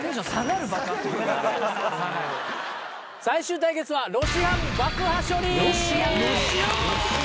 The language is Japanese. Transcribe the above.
最終対決は。